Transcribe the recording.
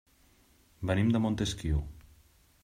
Venim de Montesquiu.